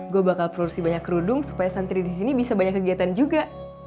gue bakal produksi banyak kerudung supaya santri di sini bisa banyak kegiatan juga